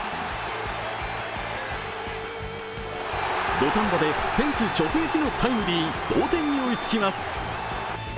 土壇場でフェンス直撃のタイムリー、同点に追いつきます。